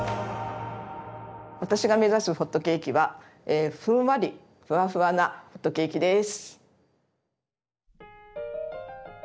私が目指すホットケーキはふんわりふわふわなホットケーキです。